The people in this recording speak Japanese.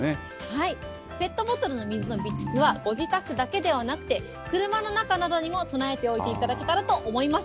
ペットボトルの水の備蓄はご自宅だけではなくて、車の中などにも備えておいていただけると。